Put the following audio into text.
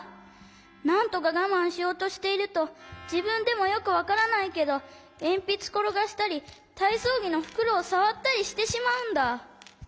なんとかがまんしようとしているとじぶんでもよくわからないけどえんぴつころがしたりたいそうぎのふくろをさわったりしてしまうんだ。